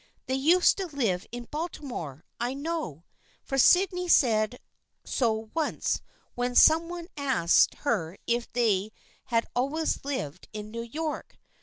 They used to live in Baltimore, I know, for Sydney said so once w T hen some one asked her if they had always lived in New York.